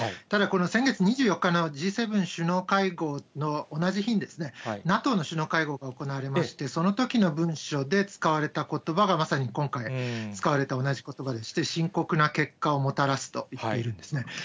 ただこの先月２４日のＧ７首脳会合の同じ日に、ＮＡＴＯの首脳会合が行われまして、そのときの文書で使われたことばが、まさに今回、使われた同じことばでして、深刻な結果をもたらすと言っているんですね。